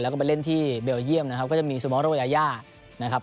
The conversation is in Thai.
แล้วก็ไปเล่นที่เบลเยี่ยมนะครับก็จะมีซูมอโรยานะครับ